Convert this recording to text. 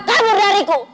tujuh tahun anjing